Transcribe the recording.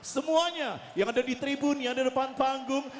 semuanya yang ada di tribun yang di depan panggung